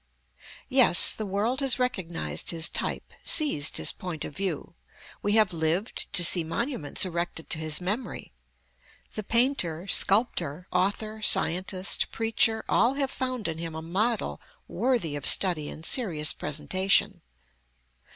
Yes, the world has recognized his type, seized his point of view. We have lived to see monuments erected to his memory. The painter, sculptor, author, scientist, preacher, all have found in him a model worthy of study and serious presentation.